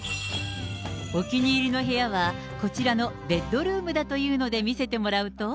お気に入りの部屋は、こちらのベッドルームだというので見せてもらうと。